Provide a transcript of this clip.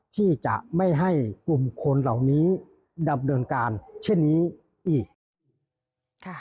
ที่จะไม่ให้กลุ่มคนเหล่านี้ดำเนินการเช่นนี้อีกค่ะ